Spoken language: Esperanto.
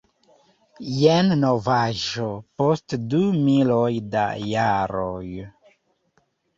Jen novaĵo post du miloj da jaroj.